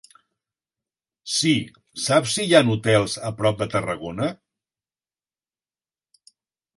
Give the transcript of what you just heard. Sí, saps si hi ha hotels a prop de Tarragona?